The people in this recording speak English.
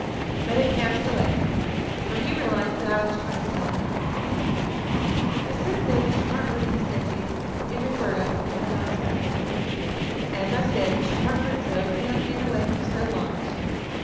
But it passed away, for he realized that I was trying to help him. "But since then Mr. Carford and his nephew, Henry Burdock, have not spoken. As I said, Mr. Carford drove the young man away from Snow Lodge.